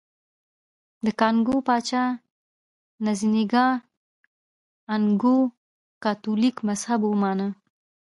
د کانګو پاچا نزینګا ا نکؤو کاتولیک مذهب ومانه.